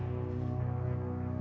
aku harus melayanginya dengan baik